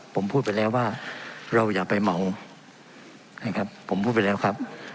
ผมพูดไปแล้วว่าเราอย่าไปเหมานะครับผมพูดไปแล้วครับ